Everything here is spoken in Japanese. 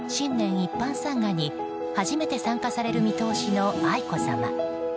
一般参賀に初めて参加される見通しの愛子さま。